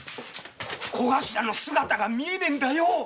小頭の姿が見えねえんだよ！